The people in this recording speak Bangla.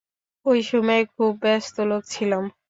ঐ সময়ে খুব ব্যস্তলোক ছিলাম।